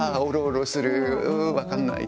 分からない。